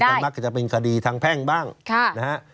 มันมักจะเป็นคดีทางแพ่งบ้างนะฮะ